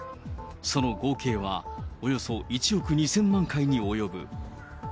その合計はおよそ１億２０００万回に及ぶ。